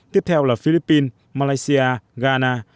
tiếp theo là philippines malaysia ghana